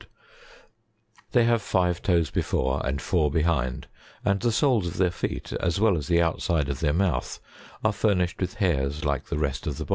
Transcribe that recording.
They have five toes before and four behind, and the soles of their feet, as well as the outside of their mouth, are furnished with hairs like the rest of the body.